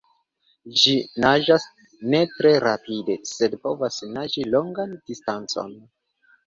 Ĝi naĝas ne tre rapide, sed povas naĝi longan distancon.